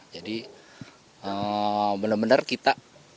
jadi benar benar kita